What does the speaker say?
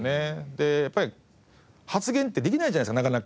でやっぱり発言ってできないじゃないですかなかなか。